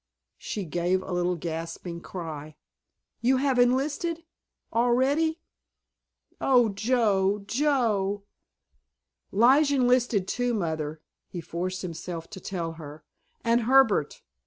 She gave a little gasping cry. "You have enlisted—already? Oh, Joe, Joe!" "Lige enlisted, too, Mother," he forced himself to tell her, "and Herbert.